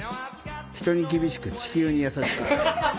人に厳しく地球に優しく。